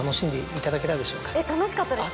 楽しかったです